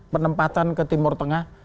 penempatan ke timur tengah